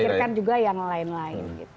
tidak memikirkan juga yang lain lain